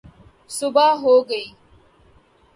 صبح ہو گئی